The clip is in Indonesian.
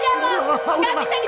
syukur syukur anaknya ditolongin